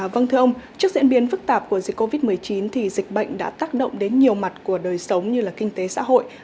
vâng thưa ông trước diễn biến phức tạp của dịch covid một mươi chín thì dịch bệnh đã tác động đến nhiều mặt của đời sống như là kinh tế xã hội